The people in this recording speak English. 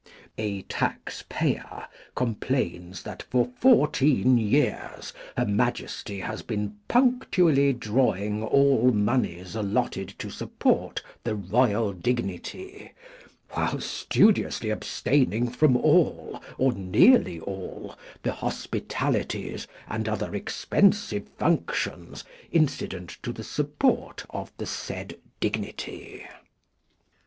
A taxpayer complains that for fourteen years her Majesty has been punctually drawing all moneys allotted to support the royal dignity, while studiously abstaining from all, or nearly all, the hospitalities and other expensive functions incident to the support of the said dignity.